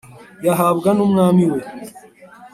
yahabwa n'umwami we